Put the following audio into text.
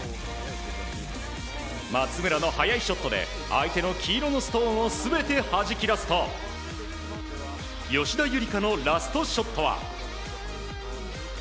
松村の速いショットで相手の黄色のストーンを全てはじき出すと吉田夕梨花のラストショットは。